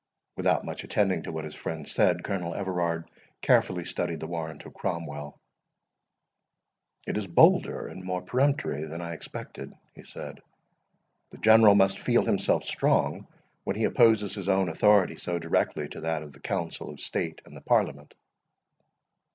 Without much attending to what his friend said, Colonel Everard carefully studied the warrant of Cromwell. "It is bolder and more peremptory than I expected," he said. "The General must feel himself strong, when he opposes his own authority so directly to that of the Council of State and the Parliament."